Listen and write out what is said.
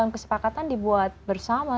kesepakatan dibuat bersama